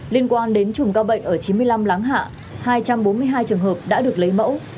liên quan đến chùm ca bệnh ở chín mươi năm láng hạ hai trăm bốn mươi hai trường hợp đã được lấy mẫu